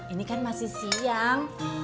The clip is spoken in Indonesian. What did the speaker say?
ini kan masih siang